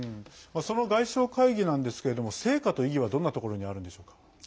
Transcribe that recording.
その外相会議なんですけれども成果と意義はどんなところにあるんでしょうか？